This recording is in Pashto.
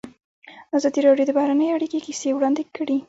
ازادي راډیو د بهرنۍ اړیکې کیسې وړاندې کړي.